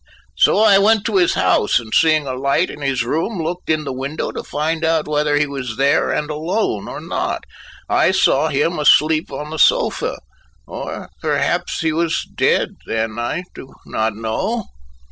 So I went to his house and seeing a light in his room, looked in the window to find out whether he was there and alone or not. I saw him asleep on the sofa or perhaps he was dead then, I do not know."